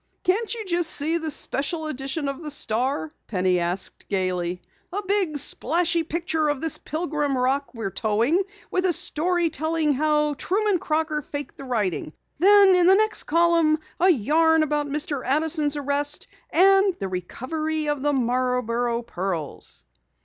"Can't you just see that special edition of the Star?" Penny asked gaily. "A big splashy picture of this Pilgrim Rock we're towing, with a story telling how Truman Crocker faked the writing. Then, in the next column, a yarn about Mr. Addison's arrest, and the recovery of the Marborough pearls."